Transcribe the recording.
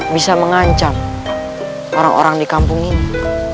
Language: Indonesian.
bisa mengancam orang orang di kampung ini